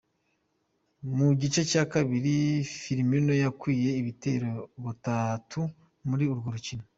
Mu gice ca kabiri Firmino yakwije ibitego botatu muri urwo rukino.